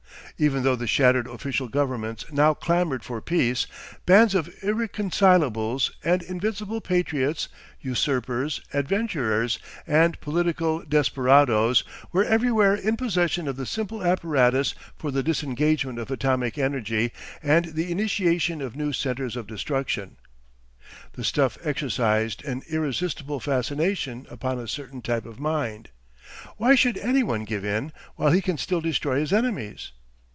Even though the shattered official governments now clamoured for peace, bands of irreconcilables and invincible patriots, usurpers, adventurers, and political desperadoes, were everywhere in possession of the simple apparatus for the disengagement of atomic energy and the initiation of new centres of destruction. The stuff exercised an irresistible fascination upon a certain type of mind. Why should any one give in while he can still destroy his enemies?